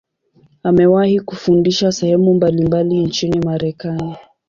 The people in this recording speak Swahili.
Amewahi kufundisha sehemu mbalimbali nchini Marekani.